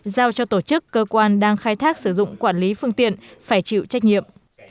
giao cho tổ chức cơ quan đang khai thác sử dụng quản lý phương tiện phải chịu trách nhiệm